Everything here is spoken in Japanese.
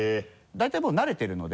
大体もう慣れてるので。